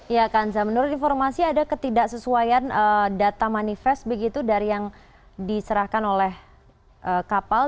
ya kanza menurut informasi ada ketidaksesuaian data manifest begitu dari yang diserahkan oleh kapal